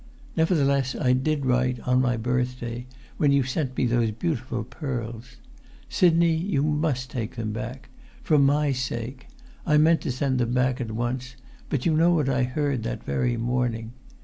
Nevertheless, I did write, on my birthday, when you sent me those beautiful pearls. Sidney, you must take them back—for my sake. I meant to send them back at once, but you know what I heard that very morning!